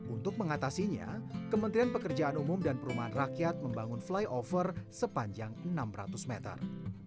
untuk mengatasinya kementerian pekerjaan umum dan perumahan rakyat membangun flyover sepanjang enam ratus meter